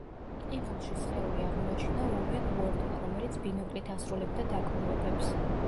ყინულში სხეული აღმოაჩინა უორენ უორდმა, რომელიც ბინოკლით ასრულებდა დაკვირვებებს.